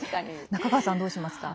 中川さん、どうしますか？